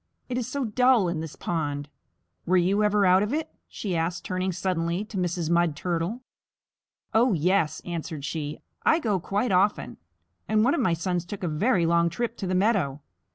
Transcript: It is so dull in this pond. Were you ever out of it?" she asked, turning suddenly to Mrs. Mud Turtle. "Oh, yes," answered she. "I go quite often, and one of my sons took a very long trip to the meadow.